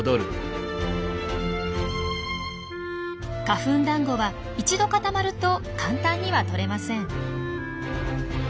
花粉だんごは一度固まると簡単には取れません。